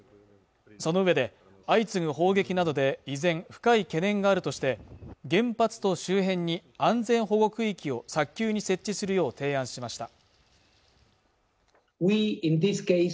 その上で相次ぐ砲撃などで依然深い懸念があるとして原発と周辺に安全保護区域を早急に設置するよう提案しました